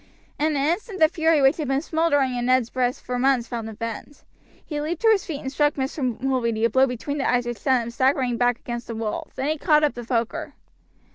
In an instant the fury which had been smoldering in Ned's breast for months found a vent. He leaped to his feet and struck Mr. Mulready a blow between the eyes which sent him staggering back against the wall; then he caught up the poker.